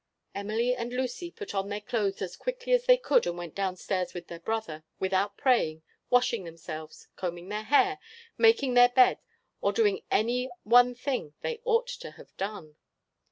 Emily and Lucy put on their clothes as quickly as they could and went downstairs with their brother, without praying, washing themselves, combing their hair, making their bed, or doing any one thing they ought to have done.